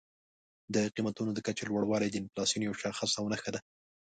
د قیمتونو د کچې لوړوالی د انفلاسیون یو شاخص او نښه ده.